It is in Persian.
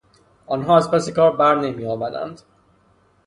آنها از پس آن کار بر نمیآمدند.